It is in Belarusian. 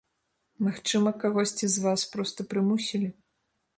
Магчыма, кагосьці з вас проста прымусілі.